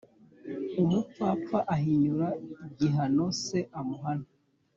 umupfapfa ahinyura igihano se amuhana,